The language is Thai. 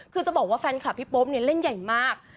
คือจะบอกว่าแฟนคลับพี่โป๊ปเนี่ยเล่นใหญ่มาก